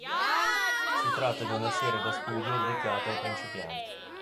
Si tratta di una serie da studio dedicata ai principianti.